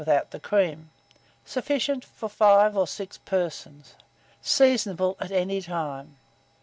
without cream. Sufficient for 5 or 6 persons. Seasonable at any time.